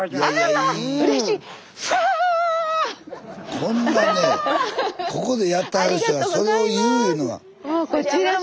こんなねここでやってはる人がそれを言ういうのが。